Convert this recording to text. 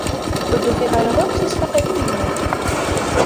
Ur d-ufiɣ ara akk tismaqqalin-inu.